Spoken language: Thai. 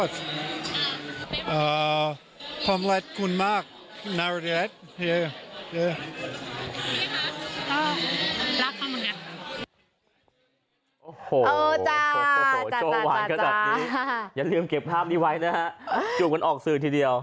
จูบกันออกซื้อทีเดียว